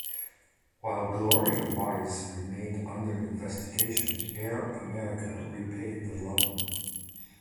While Gloria Wise remained under investigation, Air America repaid the loan.